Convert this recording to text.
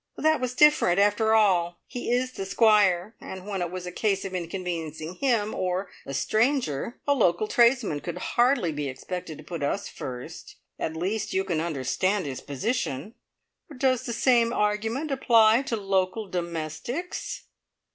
"That was different! After all, he is the Squire, and when it was a case of inconveniencing him, or a stranger a local tradesman could hardly be expected to put us first. At least, you can understand his position." "Does the same argument apply to local domestics?"